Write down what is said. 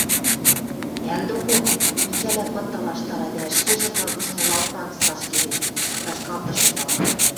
– Ӓл доко, – Михӓлӓ пыт талаштара дӓ ӹшкежӹ кыргыжмылаок анзыц ашкедеш, ташкалтышым вала.